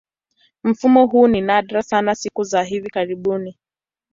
Mfumo huu ni nadra sana siku za hivi karibuni.